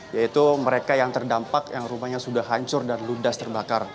yaitu mereka yang terdampak yang rumahnya sudah hancur dan ludas terbakar